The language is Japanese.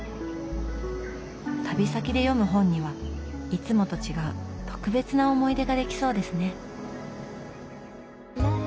旅先で読む本にはいつもと違う特別な思い出ができそうですね。